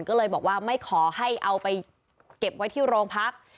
ก็เลยบอกว่าไม่ขอให้เอาไปเก็บไว้ที่โรงพัก